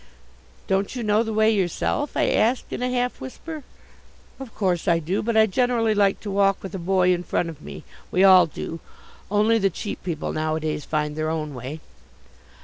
"Don't you know the way yourself?" I asked in a half whisper. "Of course I do, but I generally like to walk with a boy in front of me. We all do. Only the cheap people nowadays find their own way."